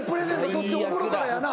そっちへ送るからやな。